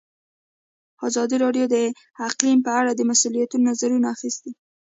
ازادي راډیو د اقلیم په اړه د مسؤلینو نظرونه اخیستي.